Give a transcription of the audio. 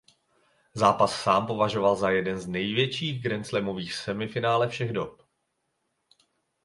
Zápas sám považoval za jeden z největších grandslamových semifinále všech dob.